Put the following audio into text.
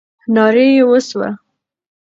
ناره یې وسوه.